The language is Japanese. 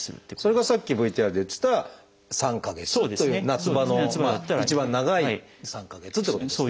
それがさっきＶＴＲで言ってた３か月という夏場の一番長い３か月ということですね。